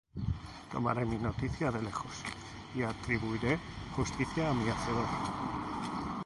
Tomaré mi noticia de lejos, Y atribuiré justicia á mi Hacedor.